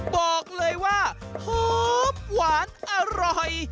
บอกเลยว่าหอมหวานอร่อย